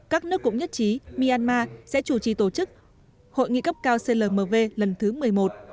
các nước cũng nhất trí myanmar sẽ chủ trì tổ chức hội nghị cấp cao clmv lần thứ một mươi một